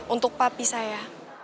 untuk papi saya